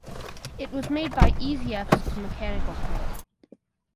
It was made by Izhevsk Mechanical Plant.